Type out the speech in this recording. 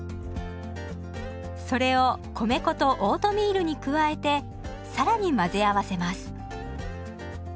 それを米粉とオートミールに加えて更に混ぜ合わせます。